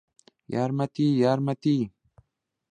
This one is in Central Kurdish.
یارمەتی! یارمەتی!